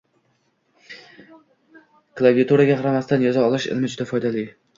Klaviaturaga qaramasdan yoza olish ilmi juda foydali